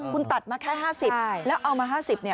คุณตัดมาแค่๕๐แล้วเอามา๕๐